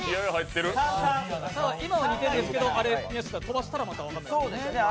今は２点ですけど、飛ばしたら分からないですよね。